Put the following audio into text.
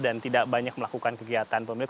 dan tidak banyak melakukan kegiatan pemilik